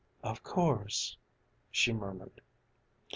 "Of course," she murmured.